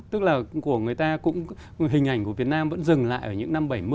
tức là của người ta cũng hình ảnh của việt nam vẫn dừng lại ở những năm bảy mươi